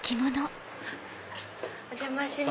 お邪魔します。